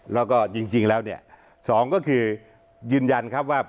แล้วก็จริงแล้วเนี่ยสองก็คือยืนยันครับว่า